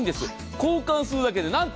交換するだけで何と。